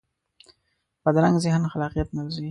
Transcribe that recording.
بدرنګه ذهن خلاقیت نه لري